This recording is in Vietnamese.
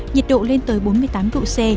nhiệt độ lên tới bốn mươi tám độ c